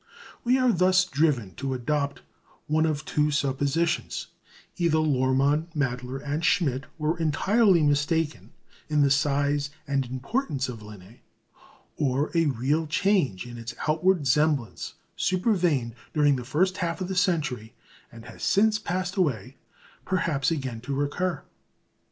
We are thus driven to adopt one of two suppositions: either Lohrmann, Mädler, and Schmidt were entirely mistaken in the size and importance of Linné, or a real change in its outward semblance supervened during the first half of the century, and has since passed away, perhaps again to recur.